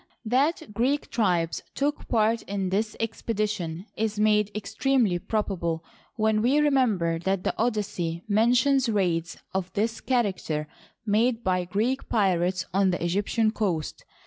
That Gr^ek tribes took part in this expe dition is made extremely probable when we remember that the Odyssey mentions raids of this character made by Greek pirates on the Egyptian coast.